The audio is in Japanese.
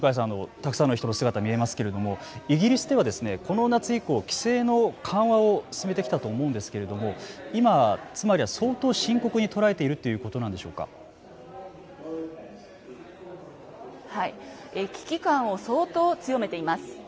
たくさんの人の姿が見えますけれどもイギリスではこの夏以降規制の緩和を進めてきたと思うんですけれども今、つまりは、相当深刻に捉えているということ危機感を相当強めています。